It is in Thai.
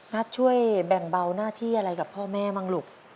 นัทช่วยแบ่งเบาหน้าที่อะไรกับพ่อแม่บ้างลูก